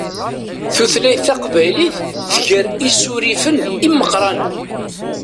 Tutlayt taqbaylit tger isurifen imeqqranen.